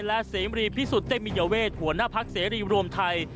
และเสมรีพิสุทธิ์เตมียเวทหัวหน้าพักเสรีรวมไทย